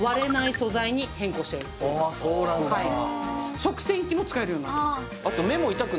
食洗機も使えるようになってます